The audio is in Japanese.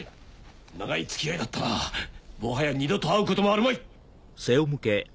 長い付き合いだったなもはや二度と会うこともあるまい！